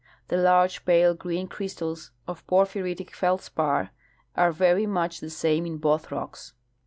The large pale green crystals of porphyritic feldspar are very much the same in both rocks.